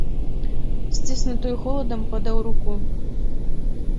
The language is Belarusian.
Сціснутую холадам падаў руку.